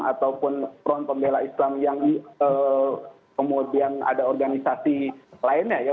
ataupun front pembela islam yang kemudian ada organisasi lainnya ya